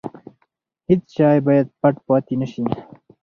هیڅ شی باید پټ پاتې نه شي.